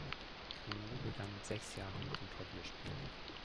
Grimaud begann mit sechs Jahren mit dem Klavierspiel.